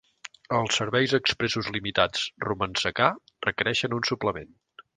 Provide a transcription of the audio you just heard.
Els serveis expressos limitats "Romancecar" requereixen un suplement.